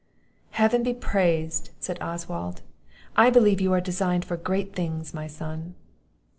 "Heaven be praised!" said Oswald: "I believe you are designed for great things, my son."